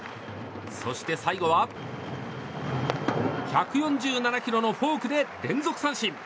そして、最後は１４７キロのフォークで連続三振！